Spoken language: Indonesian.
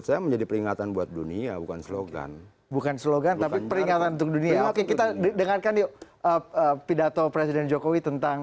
nanti kita akan soal ini